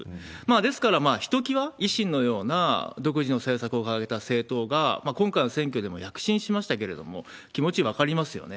ですから、ひときわ維新のような独自の政策を掲げた政党が、今回の選挙でも躍進しましたけど、気持ち分かりますよね。